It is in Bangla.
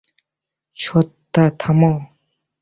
সত্যা, থামো!